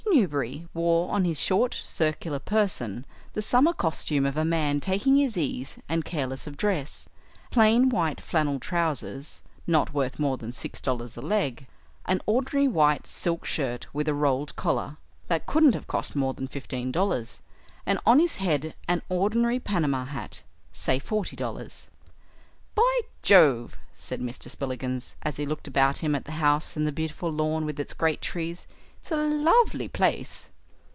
Newberry wore on his short circular person the summer costume of a man taking his ease and careless of dress: plain white flannel trousers, not worth more than six dollars a leg, an ordinary white silk shirt with a rolled collar, that couldn't have cost more than fifteen dollars, and on his head an ordinary Panama hat, say forty dollars. "By Jove!" said Mr. Spillikins, as he looked about him at the house and the beautiful lawn with its great trees, "it's a lovely place."